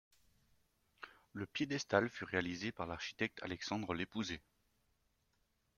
Le piédestal fut réalisé par l'architecte Alexandre Lépouzé.